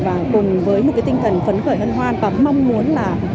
và cùng với một cái tinh thần phấn khởi hân hoan và mong muốn là